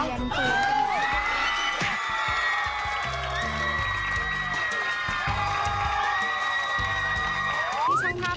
สวัสดีครับคุณผู้ชมครับ